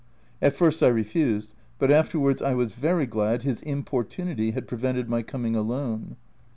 At first I refused, but afterwards I was very glad his importunity had prevented my coming alone.